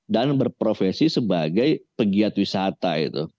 dan berprofesi sebagai pegiat wisata